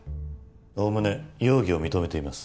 おおむね容疑を認めています。